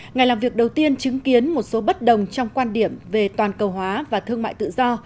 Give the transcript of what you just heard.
ngày làm việc đầu tiên chứng kiến một số bất đồng trong quan điểm về toàn cầu hóa và thương mại tự do